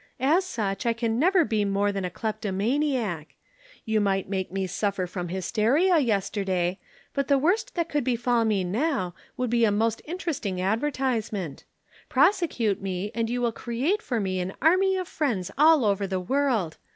As such, I can never be more than a kleptomaniac. You might make me suffer from hysteria yesterday, but the worst that could befall me now would be a most interesting advertisement. Prosecute me and you will create for me an army of friends all over the world.